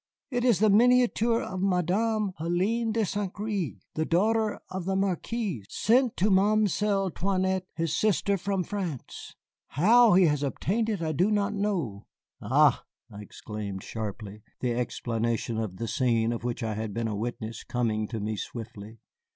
It is the miniature of Mademoiselle Hélène de Saint Gré, the daughter of the Marquis, sent to Mamselle 'Toinette, his sister, from France. How he has obtained it I know not." "Ah!" I exclaimed sharply, the explanation of the scene of which I had been a witness coming to me swiftly.